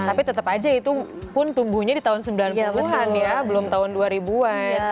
tapi tetap aja itu pun tumbuhnya di tahun sembilan puluh an ya belum tahun dua ribu an